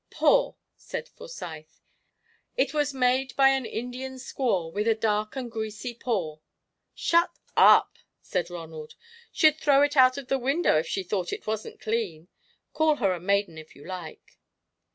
"Paw," said Forsyth. "It was made by an Indian squaw With a dark and greasy paw." "Shut up!" said Ronald. "She'd throw it out of the window if she thought it wasn't clean. Call her a maiden if you like."